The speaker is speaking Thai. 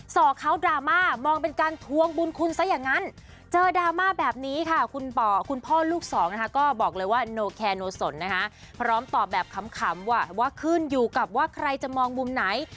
ส่อเขาดราม่ามองเป็นการทวงบุญคุณซะอย่างนั้น